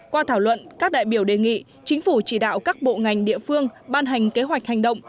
qua thảo luận các đại biểu đề nghị chính phủ chỉ đạo các bộ ngành địa phương ban hành kế hoạch hành động